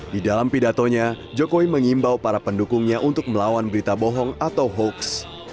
di dalam pidatonya jokowi mengimbau para pendukungnya untuk melawan berita bohong atau hoax